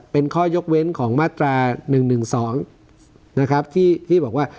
เป็นข้อยกเว้นของมาตราหนึ่งหนึ่งสองนะครับที่ที่บอกว่า